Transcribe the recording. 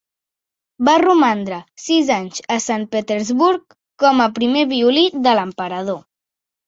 Va romandre sis anys a Sant Petersburg com a primer violí de l'emperador.